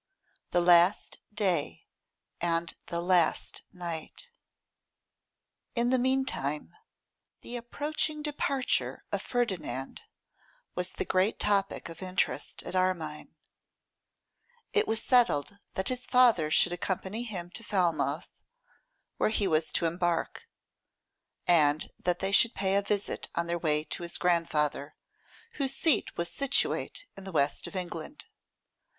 The Last Day and the Last Night. IN THE meantime, the approaching I departure of Ferdinand was the great topic of interest at Armine, It was settled that his father should accompany him to Falmouth, where he was to embark; and that they should pay a visit on their way to his grandfather, whose seat was situate in the west of England.